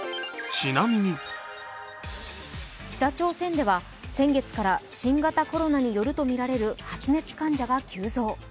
北朝鮮では、先月から新型コロナによるとみられる発熱患者が急増。